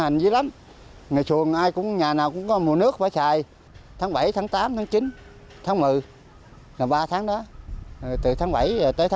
ngày hôm nay